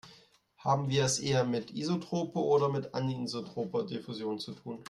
Haben wir es eher mit isotroper oder mit anisotroper Diffusion zu tun?